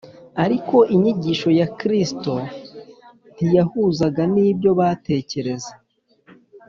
ariko inyigisho ya kristo yo ntiyahuzaga n’ibyo batekereza